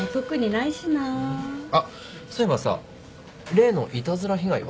あっそういえばさ例のいたずら被害は？